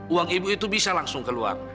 uang ibu itu bisa langsung keluar